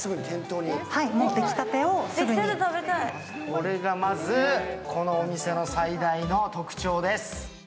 これがまず、このお店の最大の特徴です。